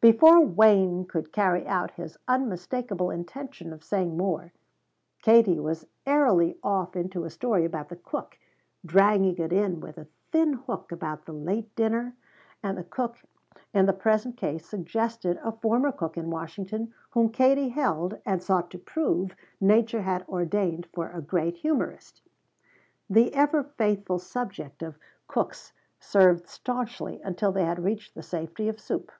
Before Wayne could carry out his unmistakable intention of saying more, Katie was airily off into a story about the cook, dragging it in with a thin hook about the late dinner, and the cook in the present case suggested a former cook in Washington whom Katie held, and sought to prove, nature had ordained for a great humorist. The ever faithful subject of cooks served stanchly until they had reached the safety of soup.